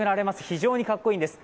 非常にかっこいいんです。